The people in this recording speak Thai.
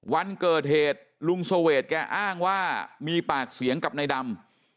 วันเกิดเหตุลุงเสวดแกอ้างว่ามีปากเสียงกับนายดำ